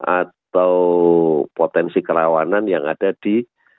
atau potensi kerawanan yang ada di